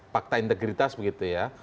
pakta integritas begitu ya